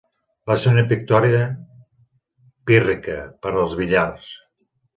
Va ser una victòria pírrica per als Villars.